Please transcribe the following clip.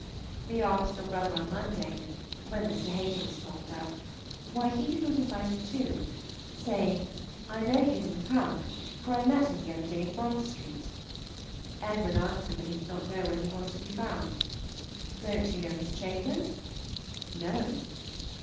We asked your brother on Monday (when Mr. Hayter was talked of) why he did not invite him too; saying, "I know he is in town, for I met him the other day in Bond St." Edward answered that he did not know where he was to be found. "Don't you know his chambers?" "No."